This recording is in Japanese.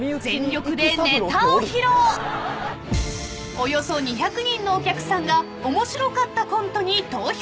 ［およそ２００人のお客さんが面白かったコントに投票］